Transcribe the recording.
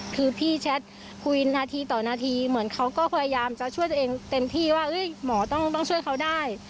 คือพี่แชทคุยนาทีต่อนาทีเหมือนเขาก็พยายามจะช่วยตัวเองเต็มที่ว่าหมอต้องช่วยเขาได้